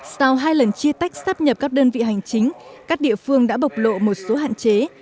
sau hai lần chia tách sắp nhập các đơn vị hành chính các địa phương đã bộc lộ một số hạn chế